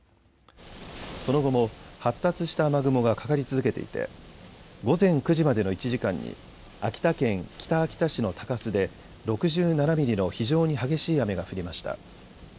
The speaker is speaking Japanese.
その後も発達した雨雲がかかり続けていて午前９時までの１時間に秋田県北秋田市の鷹巣で６７ミリの非常に激しい雨が降りました。